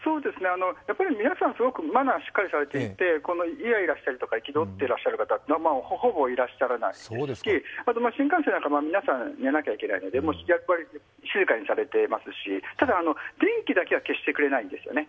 皆さん、すごくマナー、しっかりされていて、イライラしたりとか、憤っている方はほぼいらっしゃらないですし、あと新幹線の中は皆さん寝なきゃいけないので静かにされていますし、ただ、電気だけは消してくれないんですよね。